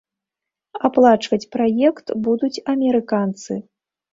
Аплачваць праект будуць амерыканцы.